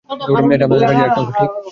এটা আপনাদের কাজেরই একটা অংশ, ঠিক?